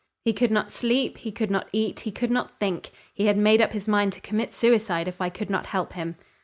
He could not sleep, he could not eat, he could not think, he had made up his mind to commit suicide if I could not help him.